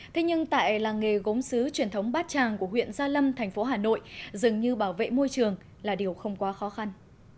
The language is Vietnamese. thế nhưng tại làng nghề gốm xứ truyền thống bát tràng của huyện gia lâm thành phố hà nội dường như bảo vệ môi trường là điều không quá khó khăn